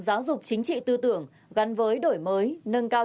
giáo dục chính trị tư tưởng gắn với đổi mới nâng cao